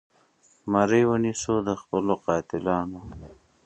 مرۍ ونیسو د خپلو قاتلانو